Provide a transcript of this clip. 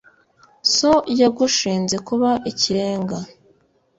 so yagushinze kuba ikirenga